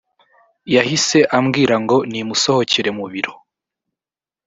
yahise ambwira ngo nimusohokere mu biro